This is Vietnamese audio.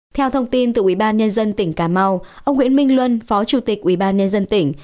theo thông tin từ ubnd tỉnh cà mau ông nguyễn minh luân phó chủ tịch ubnd tỉnh